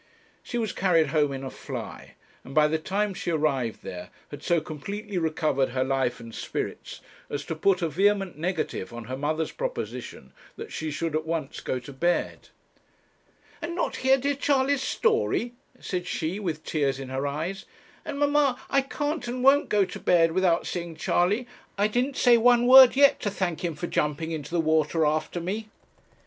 She was carried home in a fly, and by the time she arrived there, had so completely recovered her life and spirits as to put a vehement negative on her mother's proposition that she should at once go to bed. 'And not hear dear Charley's story?' said she, with tears in her eyes. 'And, mamma, I can't and won't go to bed without seeing Charley. I didn't say one word yet to thank him for jumping into the water after me.'